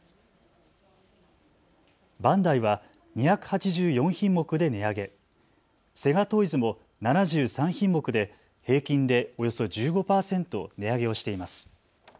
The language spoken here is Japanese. バンダイは２８４品目で値上げ、セガトイズも７３品目で平均でおよそ１５％値上げをしています。